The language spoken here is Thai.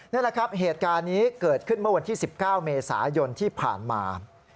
นี่แหละครับเหตุการณ์นี้เกิดขึ้นเมื่อวันที่๑๙เมษายนที่ผ่านมา